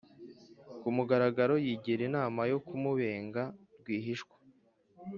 ku mugaragaro, yigira inama yo kumubenga rwihishwa.